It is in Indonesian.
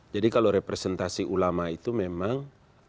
jadi kalau representasi ulama itu memang direct laughs